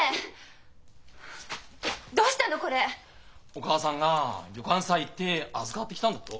お義母さんが旅館さ行っで預かっできたんだと。